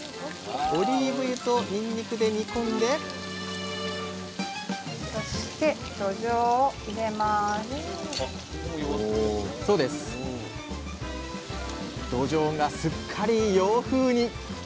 オリーブ油とにんにくで煮込んでどじょうがすっかり洋風に！